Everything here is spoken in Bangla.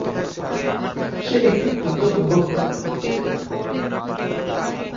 সে একটু ক্ষুব্ধ অনুভব করল।